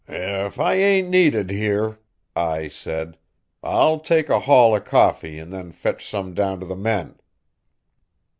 "If I ain't needed here," Ai said, "I'll take a haul o' coffee an' then fetch some down t' the men."